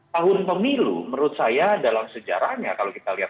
tahun pemilu menurut saya dalam sejarahnya kalau kita lihat